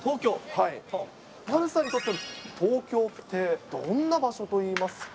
丸さんにとっての東京ってどんな場所といいますか。